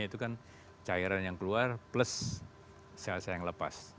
itu kan cairan yang keluar plus sel sel yang lepas